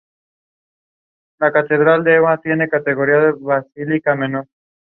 Por ejemplo, la tecnología fue usada por la empresa Bell para registrar llamadas interurbanas.